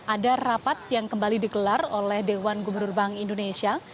ada rapat yang kembali digelar oleh dewan gubernur bank indonesia